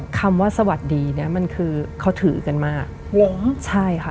คำว่าสวัสดีมันคือเขาถือกันมาก